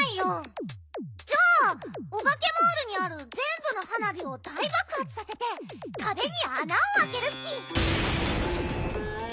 じゃあオバケモールにあるぜんぶの花火を大ばくはつさせてかべにあなをあけるッピ。